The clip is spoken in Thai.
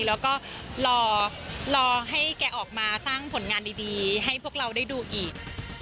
แล้วก็รอให้แกออกมาสร้างผลงานดีให้พวกเราได้ดูอีก